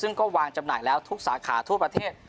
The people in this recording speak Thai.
ซึ่งก็วางจำหน่ายแล้วทุกสาขาทั่วประเทศ